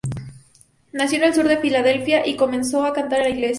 Nació en el sur de Filadelfia, y comenzó a cantar en la iglesia.